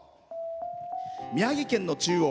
宮城県の中央